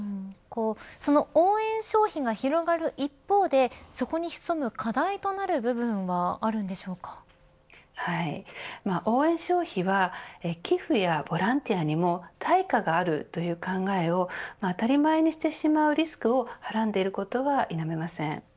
その応援消費が広がる一方でそこに潜む課題となる部分がある応援消費は寄付やボランティアにも対価があるという考えを当たり前にしてしまうリスクをはらんでいることは否めません。